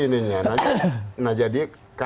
ini nah jadi